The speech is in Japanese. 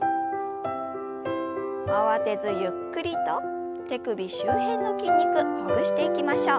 慌てずゆっくりと手首周辺の筋肉ほぐしていきましょう。